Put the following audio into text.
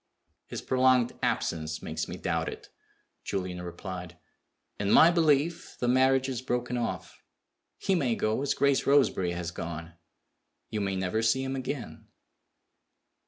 "His prolonged absence makes me doubt it," Julian replied. "In my belief, the marriage is broken off. He may go as Grace Roseberry has gone. You may never see him again."